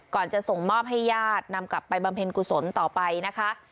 จะส่งมอบให้ญาตินำกลับไปบำเพ็ญกุศลต่อไปนะคะ